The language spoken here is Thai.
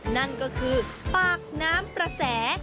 นั่นก็คือปากน้ำประแส